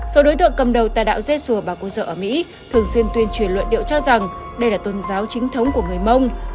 số đối tượng cầm đầu tà đạo dê sùa và cô dợ ở mỹ thường xuyên tuyên truyền luận điệu cho rằng đây là tôn giáo chính thống của người mông